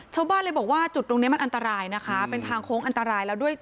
ชาวบ้านเลยบอกว่าจุดตรงนี้มันอันตรายนะคะเป็นทางโค้งอันตรายแล้วด้วย